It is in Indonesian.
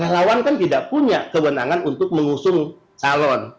relawan kan tidak punya kewenangan untuk mengusung calon